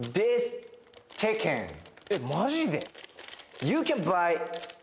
えっマジで？